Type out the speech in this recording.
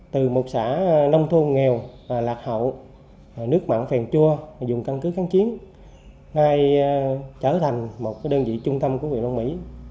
từ một xã nông thôn nghèo lạc hậu nước mặn phèn chua dùng căn cứ kháng chiến nay trở thành một đơn vị trung tâm của huyện long mỹ